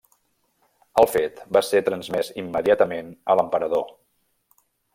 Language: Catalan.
El fet va ser transmès immediatament a l'emperador.